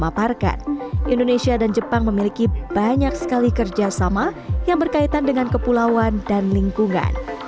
memaparkan indonesia dan jepang memiliki banyak sekali kerjasama yang berkaitan dengan kepulauan dan lingkungan